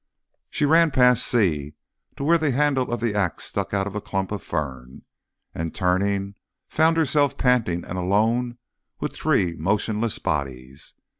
She ran past Si to where the handle of the axe stuck out of a clump of fern, and turning, found herself panting and alone with three motionless bodies.